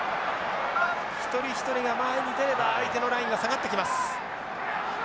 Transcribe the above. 一人一人が前に出れば相手のラインが下がってきます。